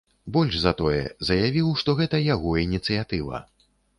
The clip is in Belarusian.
Больш за тое, заявіў, што гэта яго ініцыятыва.